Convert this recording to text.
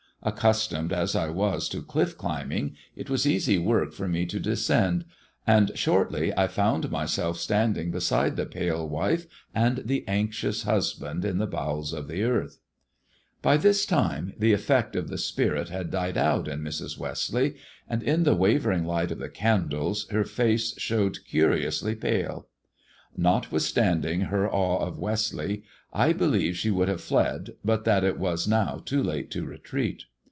Accustomed as I was to clifE climbing, it was easy work for me to descend, and shortly I found myself standing beside the pale wife and the anxious husband in the bowels of the earth. By this time the effect of the spirit had died out in Mrs. Westleigh, and in the wavering light of the candles her THE DEAD MAN'S DIAMONDS 211 Face looked curiously pale. Notwithstanding her awe of Westleigh, I believe she would have fled, but that it was now too late to retreat.